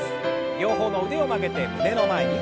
両方の腕を曲げて胸の前に。